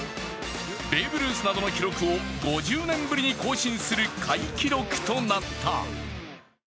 ベーブ・ルースなどの記録を５０年ぶりに更新する怪記録となった。